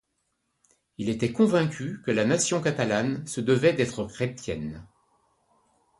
Il était convaincu que la nation catalane se devait d'être chrétienne.